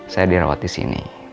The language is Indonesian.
saya dirawat di sini